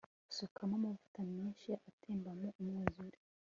sukamo amavuta menshi atembamo umwuzure